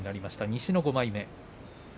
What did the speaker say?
西の５枚目です。